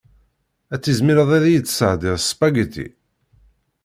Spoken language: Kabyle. Ad tizmireḍ ad iyi-d-tesɛeddiḍ spaghetti?